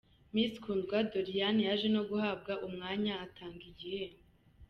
Miss Kundwa Doriane, yaje no guhabwa umwanya atanga igihembo.